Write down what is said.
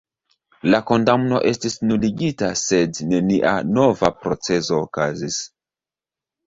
La kondamno estis nuligita, sed nenia nova procezo okazis.